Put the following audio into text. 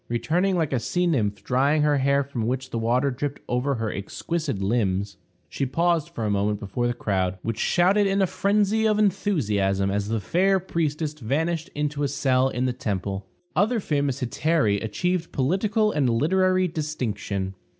Returning like a sea nymph, drying her hair from which the water dripped over her exquisite limbs, she paused for a moment before the crowd, which shouted in a phrensy of enthusiasm as the fair priestess vanished into a cell in the temple. Other famous hetairæ achieved political and literary distinction.